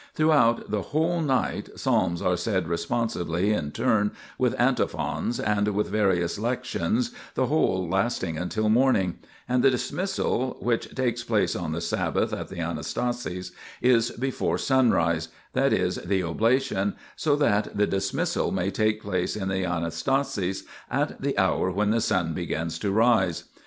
Through out the whole night psalms are said responsively in turn with antiphons and with various lections, the whole lasting until morning, and the dismissal, which takes place on the Sabbath at the Anastasis, is before sunrise, that is, the oblation, so that the dis missal may take place in the Anastasis at the hour when the sun begins to rise.